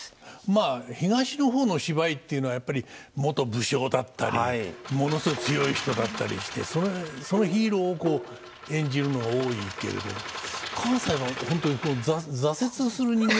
まあ東の方の芝居っていうのはやっぱり元武将だったりものすごい強い人だったりしてそのヒーローを演じるのが多いけれど関西は本当に挫折する人間を主人公にする。